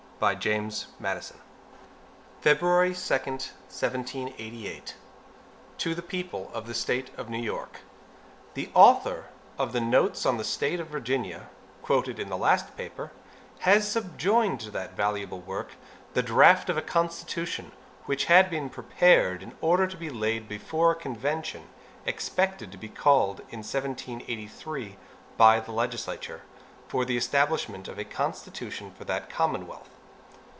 For the Independent Journal. Saturday, February 2, 1788. MADISON To the People of the State of New York: THE author of the "Notes on the State of Virginia," quoted in the last paper, has subjoined to that valuable work the draught of a constitution, which had been prepared in order to be laid before a convention, expected to be called in 1783, by the legislature, for the establishment of a constitution for that commonwealth.